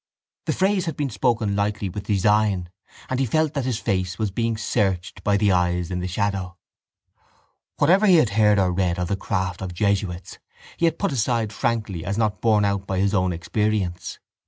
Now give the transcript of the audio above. The phrase had been spoken lightly with design and he felt that his face was being searched by the eyes in the shadow. Whatever he had heard or read of the craft of jesuits he had put aside frankly as not borne out by his own experience.